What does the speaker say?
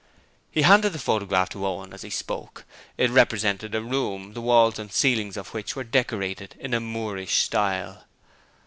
He handed the photograph to Owen as he spoke. It represented a room, the walls and ceiling of which were decorated in a Moorish style.